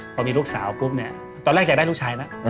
พอมีลูกสาวปุ๊บเนี่ยตอนแรกอยากได้ลูกชายนะ